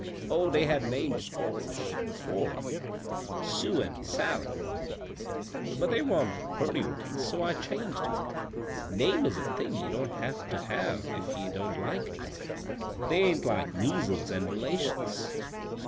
Oh, dey had names, 'course, before —' Sue ' an' ' Sally '— but they wa'n't purty ones, so I changed 'em. Names is a thing ye don't have ter have if ye don't like 'em ; dey ain't like measles an' relations.